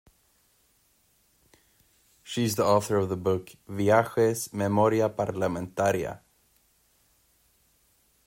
She is the author of the book "Viajes, memoria parlamentaria".